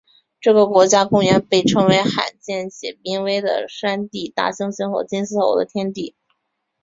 这个国家公园被称为罕见且濒危的山地大猩猩和金丝猴的天堂。